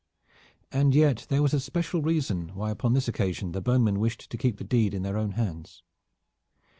And yet there was special reason why upon this occasion the bowmen wished to keep the deed in their own hands.